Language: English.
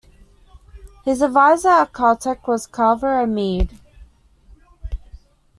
His adviser at Caltech was Carver A. Mead.